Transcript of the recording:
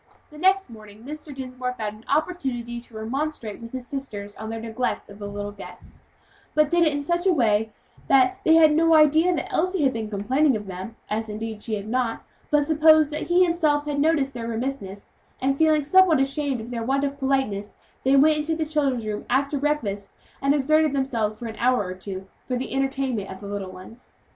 The next morning Mr. Dinsmore found an opportunity to remonstrate with his sisters on their neglect of the little guests, but did it in such a way that they had no idea that Elsie had been complaining of them as, indeed, she had not but supposed that he had himself noticed their remissness; and feeling somewhat ashamed of their want of politeness, they went into the children's room after breakfast, and exerted themselves for an hour or two, for the entertainment of the little ones.